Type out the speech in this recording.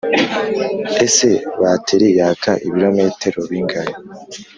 ese bateri yaka ibirometero bingahe